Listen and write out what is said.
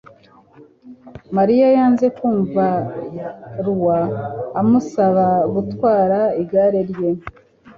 Mariya yanze kumva Lois amusaba gutwara igare rye